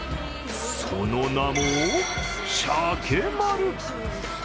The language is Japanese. その名も、しゃけまる。